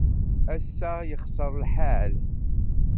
Ass-a, yexṣer lḥal.